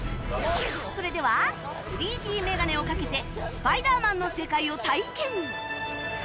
それでは ３Ｄ メガネをかけて『スパイダーマン』の世界を体験